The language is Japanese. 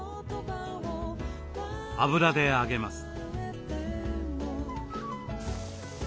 油で揚げます。